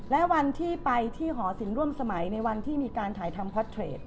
และวันที่ไปที่หอศิลปสมัยในวันที่มีการถ่ายทำคอตเทรด